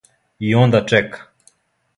И онда чека.